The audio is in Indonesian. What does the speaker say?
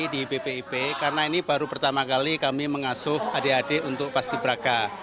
di bpip karena ini baru pertama kali kami mengasuh adik adik untuk paski braka